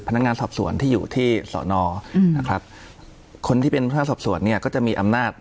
พนักงานสอบสวนที่อยู่ที่สอนออืมนะครับคนที่เป็นพนักงานสอบสวนเนี่ยก็จะมีอำนาจ